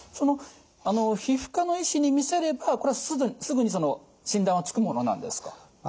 皮膚科の医師に見せればすぐに診断はつくものなんですか？